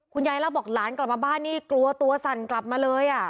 ยายเล่าบอกหลานกลับมาบ้านนี่กลัวตัวสั่นกลับมาเลย